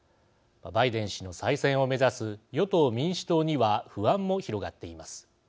バイデン氏の再選を目指す与党・民主党には不安も広がっています。